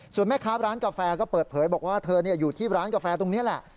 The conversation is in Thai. ส่วนแม่ค้าร้านกาแฟก็เปิดเผยบอกว่าเธออยู่ที่ร้านกาแฟตรงนี้แหละ